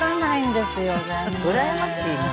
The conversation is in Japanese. うらやましいな。